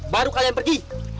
baru kalian pergi